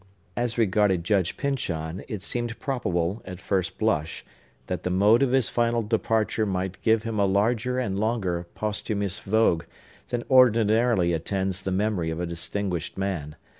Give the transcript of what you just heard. As regarded Judge Pyncheon, it seemed probable, at first blush, that the mode of his final departure might give him a larger and longer posthumous vogue than ordinarily attends the memory of a distinguished man.